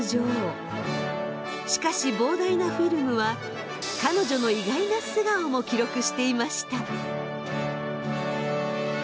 しかし膨大なフィルムは彼女の意外な素顔も記録していました。